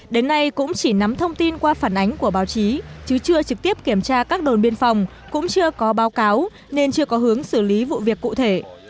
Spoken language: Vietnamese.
đến nay cũng chỉ nắm thông tin qua phản ánh của báo chí chứ chưa trực tiếp kiểm tra các đồn biên phòng cũng chưa có báo cáo nên chưa có hướng xử lý vụ việc cụ thể